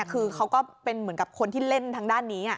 คือเขาก็เป็นเหมือนกับคนที่เล่นทางด้านนี้